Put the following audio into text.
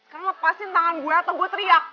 kan lepasin tangan gue atau gue teriak